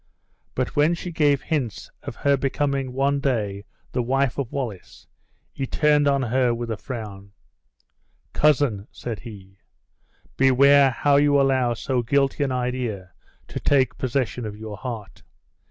But when she gave hints of her becoming one day the wife of Wallace, he turned on her with a frown. "Cousin," said he, "beware how you allow so guilty an idea to take possession of your heart!